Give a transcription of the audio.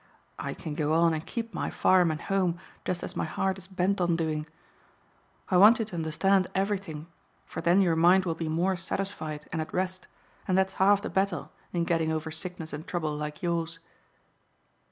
I can go on and keep my farm and home just as my heart is bent on doing. I want you to understand everything for then your mind will be more satisfied and at rest, and that's half the battle in getting over sickness and trouble like yours."